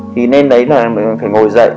thì nên đấy là phải ngồi dậy